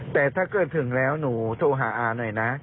แต่ถ้าเกิดถึงแล้วหนูโทรหาอาหน่อยนะ